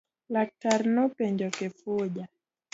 Laktar nopenjo Kifuja.